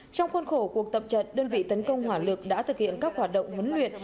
trong khuôn khổ cuộc tập trận đơn vị tấn công hỏa lực đã thực hiện các hoạt động huấn luyện